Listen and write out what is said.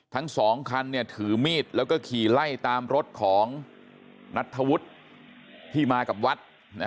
ทั้งสองคันถือมีดแล้วก็ขี่ไล่ตามรถของนัทธวุฒิที่มากับวัด